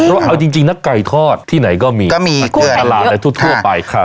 เพราะว่าเอาจริงจริงนะไก่ทอดที่ไหนก็มีก็มีอาหารอะไรทั่วทั่วไปครับ